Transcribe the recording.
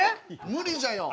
無理じゃよ。